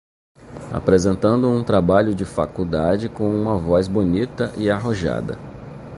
Apresentando um trabalho de faculdade com uma voz bonita e arrojada